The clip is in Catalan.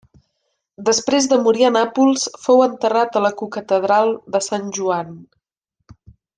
Després de morir a Nàpols fou enterrat a la cocatedral de Sant Joan.